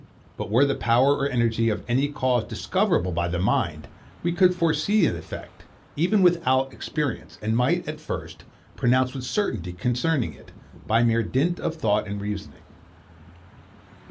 But were the power or energy of any cause discoverable by the mind, we could foresee the effect, even without experience; and might, at first, pronounce with certainty concerning it, by mere dint of thought and reasoning.